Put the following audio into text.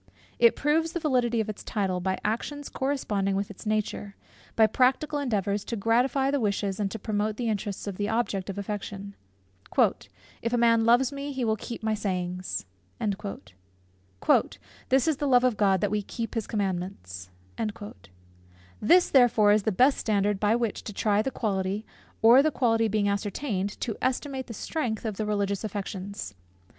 It proves the validity of its title, by actions corresponding with its nature, by practical endeavours to gratify the wishes and to promote the interests of the object of affection. "If a man love me, he will keep my sayings." "This is the love of God, that we keep his commandments." This therefore is the best standard by which to try the quality, or, the quality being ascertained, to estimate the strength of the religious affections.